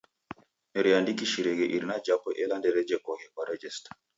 Nereandikishireghe irina japo ela ndejerekoghe kwa rejesta.